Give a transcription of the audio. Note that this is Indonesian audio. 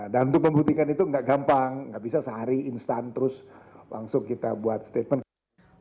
dan untuk membuktikan itu nggak gampang nggak bisa sehari instan terus langsung kita buat statement